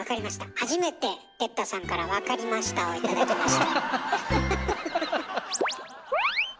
初めて哲太さんから「わかりました」を頂きました。